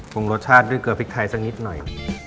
งรสชาติด้วยเกลือพริกไทยสักนิดหน่อย